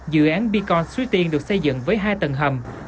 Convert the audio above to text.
dự án beacons suy tiên được xây dựng với hai tầng hầm